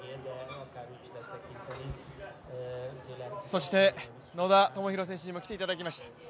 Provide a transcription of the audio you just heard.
そして野田明宏選手にも来ていただきました